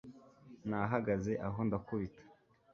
Nahagaze aho ndakubita